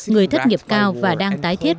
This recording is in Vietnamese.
người thất nghiệp cao và đang tái thiết